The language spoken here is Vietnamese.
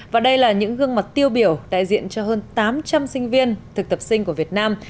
và đây là những gương mặt tiêu biểu đại diện cho hơn tám trăm linh sinh viên thực tập sinh của việt nam